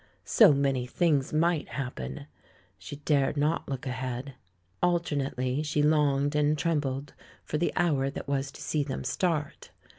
So many things might hap pen! She dared not look ahead. Alternately THE LAURELS AND THE LADY 141 she longed and trembled for the hour that was to see them start.